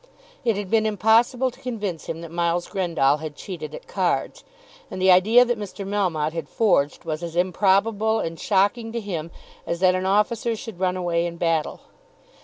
It had been impossible to convince him that Miles Grendall had cheated at cards, and the idea that Mr. Melmotte had forged was as improbable and shocking to him as that an officer should run away in battle.